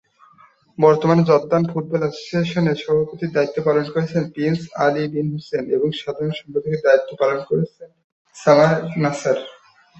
বর্তমানে Jordan football অ্যাসোসিয়েশনের সভাপতির দায়িত্ব পালন করছেন প্রিন্স আলি বিন হুসেইন এবং সাধারণ সম্পাদকের দায়িত্ব পালন করছেন সামার নাসার।